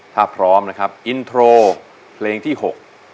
ถ้าพร้อมนะครับอินโทรเพลงที่๖มาเลยครับ